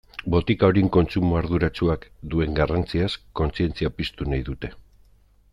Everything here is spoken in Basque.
Botika horien kontsumo arduratsuak duen garrantziaz kontzientzia piztu nahi dute.